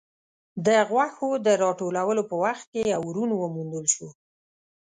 د غوښو د راټولولو په وخت کې يو ورون وموندل شو.